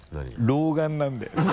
老眼なんだよね